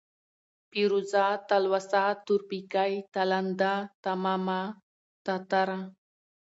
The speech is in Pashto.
پېروزه ، تلوسه ، تورپيکۍ ، تالنده ، تمامه ، تاتره ،